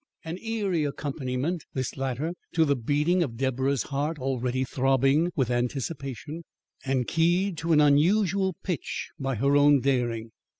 An eerie accompaniment, this latter, to the beating of Deborah's heart already throbbing with anticipation and keyed to an unusual pitch by her own daring.